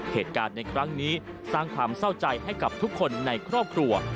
เหตุการณ์ในครั้งนี้สร้างความเศร้าใจให้กับทุกคนในครอบครัว